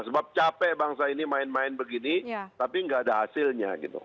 sebab capek bangsa ini main main begini tapi nggak ada hasilnya gitu